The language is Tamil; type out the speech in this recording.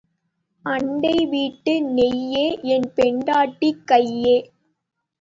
அண்டை வீட்டு நெய்யே, என் பெண்டாட்டி கையே.